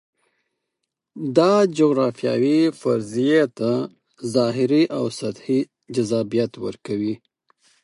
دا جغرافیوي فرضیې ته ظاهري او سطحي جذابیت ورکوي.